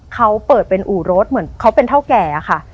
เขาเปิดเป็นอู่รถเหมือนเขาเป็นเท่าแก่ค่ะ